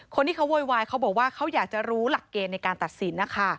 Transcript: คนที่เขาโวยวายเขาบอกว่าเขาอยากจะรู้หลักเกณฑ์ในการตัดสินนะคะ